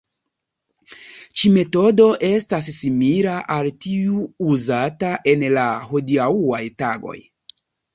Ĉi-metodo estas simila al tiu uzata en la hodiaŭaj tagoj.